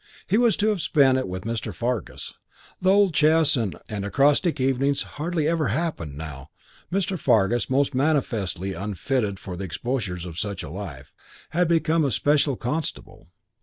He was to have spent it with Mr. Fargus. The old chess and acrostic evenings hardly ever happened now. Mr. Fargus, most manifestly unfitted for the exposures of such a life, had become a special constable.